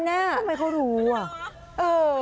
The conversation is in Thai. ทำไมเขารู้อ่ะ